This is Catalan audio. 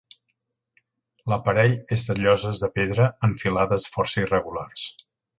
L'aparell és de lloses de pedra en filades força irregulars.